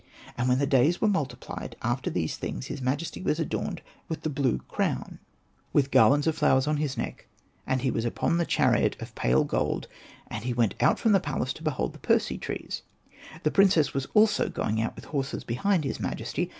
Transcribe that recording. And when the days were multiplied after these things, his majesty was adorned with the blue crown, with garlands of flowers on Hosted by Google ANPU AND BATA 63 his neck, and he was upon the chariot of pale gold, and he went out from the palace to behold the Persea trees : the princess also was going out with horses behind his majesty.